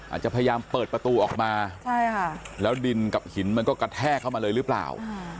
อาจจะพยายามเปิดประตูออกมาแล้วดินกับหินมันก็กระแทกเข้ามาเลยหรือเปล่า